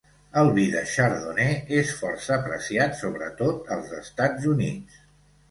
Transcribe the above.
El vi de chardonnay és força apreciat sobretot als Estats Units.